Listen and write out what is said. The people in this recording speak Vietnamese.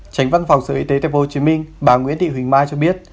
chánh văn phòng sự y tế tp hcm bà nguyễn thị huỳnh mai cho biết